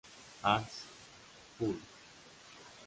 Arts; Publ.